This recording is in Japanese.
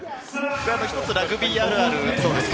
一つラグビーあるあるですね。